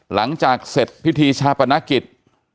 หลังจากเสร็จพิธีชาปนกิจ